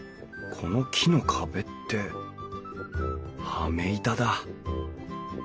この木の壁って羽目板だ。